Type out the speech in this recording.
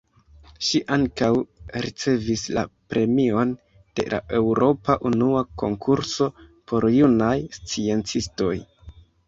Ŝi ankaŭ ricevis la Premion de la Eŭropa Unia Konkurso por Junaj Sciencistoj.